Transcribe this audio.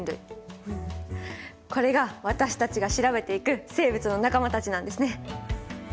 これが私たちが調べていく生物の仲間たちなんですね。